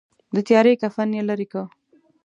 د تیارې کفن یې لیري کړ.